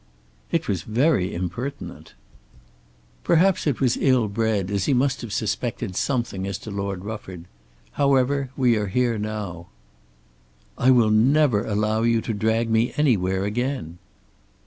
"It was very impertinent." "Perhaps it was ill bred, as he must have suspected something as to Lord Rufford. However we are here now." "I will never allow you to drag me anywhere again."